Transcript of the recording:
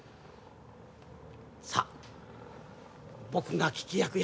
さあ僕が聞き役や。